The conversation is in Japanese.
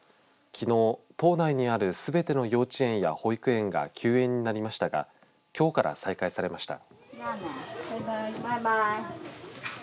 きのう、島内にあるすべての幼稚園や保育園が休園になりましたがきょうから再開されました。